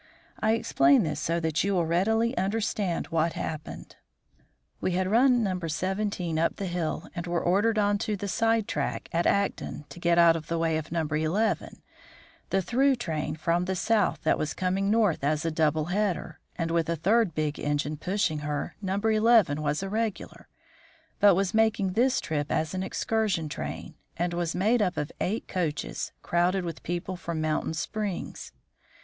I explain this so that you will readily understand what happened. We had run No. 17 up the hill and were ordered on to the side track at Acton to get out of the way of No. 11, the through train from the South that was coming North as a double header, and with a third big engine pushing her. No. 11 was a regular, but was making this trip as an excursion train, and was made up of eight coaches, crowded with people from Mountain Springs.